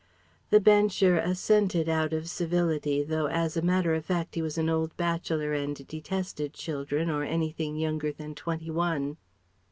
The Bencher assented out of civility, though as a matter of fact he was an old bachelor and detested children or anything younger than twenty one.